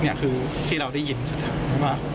นี่คือที่เราได้ยินสุดท้าย